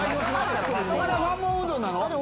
これファンモンうどんなの？